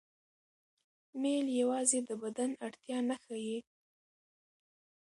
میل یوازې د بدن اړتیا نه ښيي.